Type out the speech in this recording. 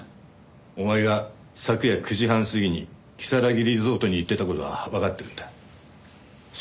お前が昨夜９時半過ぎに如月リゾートに行ってた事はわかってるんだ。